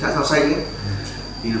hàng là heroin